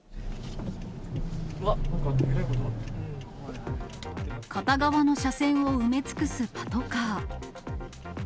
うわっ、片側の車線を埋め尽くすパトカー。